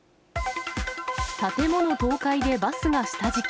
建物倒壊でバスが下敷き。